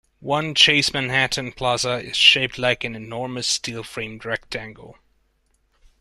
One Chase Manhattan Plaza is shaped like "an enormous steel-framed rectangle".